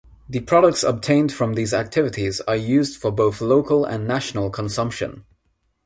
The products obtained from these activities are used for both local and national consumption.